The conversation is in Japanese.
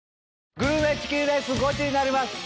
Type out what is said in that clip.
グルメチキンレースゴチになります！